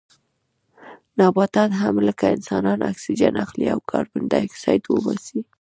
نباتات هم لکه انسانان اکسیجن اخلي او کاربن ډای اکسایډ وباسي